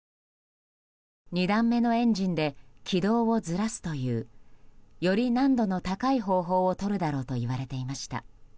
２段目のエンジンで軌道をずらすというより難度の高い方法をとるだろうといわれていました。